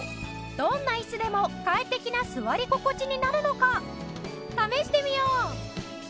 どんな椅子でも快適な座り心地になるのか試してみよう！